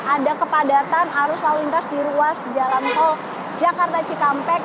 ada kepadatan arus lalu lintas di ruas jalan tol jakarta cikampek